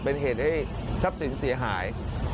เป็นเหตุให้ชับสินเสียหาย